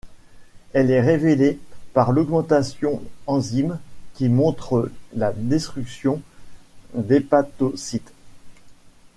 Elle est révélée par l'augmentation d'enzymes qui montrent la destruction d'hépatocytes.